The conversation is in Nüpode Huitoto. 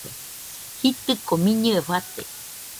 Jitɨko miñɨe fate